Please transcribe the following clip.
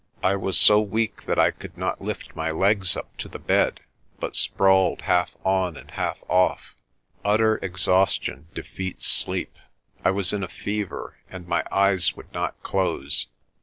I was so weak that I could not lift my legs up to the bed, but sprawled half on and half off. Utter exhaustion defeats sleep. I was in a fever and my eyes would not close.